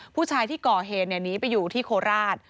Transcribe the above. ผู้ชายที่ก่อเหตุหนีไปอยู่ที่โคราช